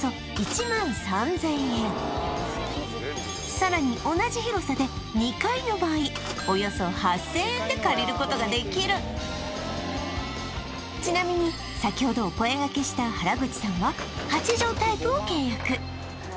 さらに同じ広さで２階の場合およそ８０００円で借りることができるちなみに先ほどお声がけした器具？